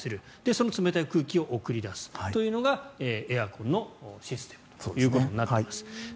その冷たい空気を送り出すというのがエアコンのシステムとなっています。